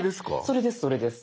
それですそれです。